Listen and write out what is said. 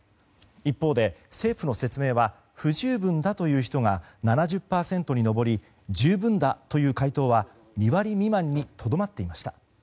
一方で、政府の説明は不十分だという人が７０％に上り十分だという回答は２割未満にとどまっていました。